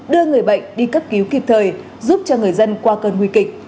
đưa người bệnh đi cấp cứu kịp thời giúp cho người dân qua cơn nguy kịch